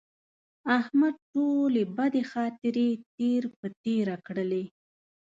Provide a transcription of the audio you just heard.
احمد ټولې بدې خاطرې تېر په تېره کړلې.